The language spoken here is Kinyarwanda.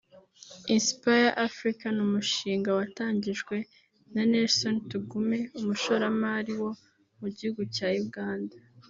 Inspire Africa” ni umushinga watangijwe na Nelson Tugume umushoramali wo mu gihugu cya Uganda